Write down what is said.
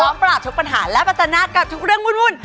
ปราบทุกปัญหาและปัจจนากับทุกเรื่องวุ่น